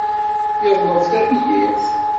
Yeḍleb tabyirt.